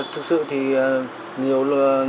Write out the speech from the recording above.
thực sự thì nhiều lần